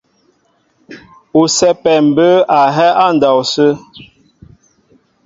Ú sɛ́pɛ mbə̌ a hɛ́ á ndɔw sə́.